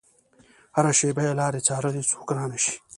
هره شېبه يې لارې څارلې چې څوک رانشي.